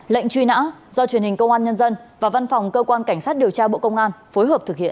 lệnh truy nã do truyền hình công an nhân dân và văn phòng cơ quan cảnh sát điều tra bộ công an phối hợp thực hiện